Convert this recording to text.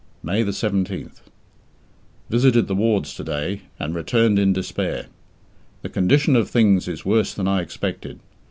May 17th. Visited the wards to day, and returned in despair. The condition of things is worse than I expected.